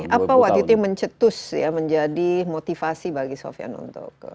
apa waktu itu mencetus menjadi motivasi bagi sofian untuk ke